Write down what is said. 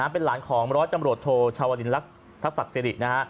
เป็นหลานของร้อยจำรวจโทชาวลินรักษ์ทักษักษิริ